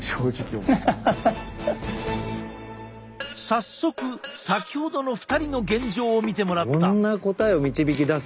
早速先ほどの２人の現状を見てもらった。